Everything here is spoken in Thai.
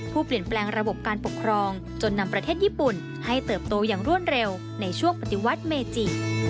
เปลี่ยนแปลงระบบการปกครองจนนำประเทศญี่ปุ่นให้เติบโตอย่างรวดเร็วในช่วงปฏิวัติเมจิ